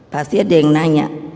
pasti ada yang nanya